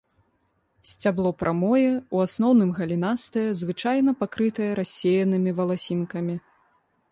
Сцябло прамое, у асноўным галінастае, звычайна пакрытае рассеянымі валасінкамі.